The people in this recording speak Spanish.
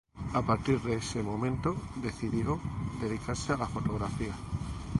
A partir de ese momento decidió dedicarse a la fotografía.